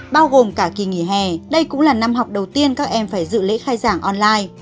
bao gồm cả kỳ nghỉ hè đây cũng là năm học đầu tiên các em phải dự lễ khai giảng online